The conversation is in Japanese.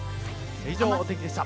以上、お天気でした。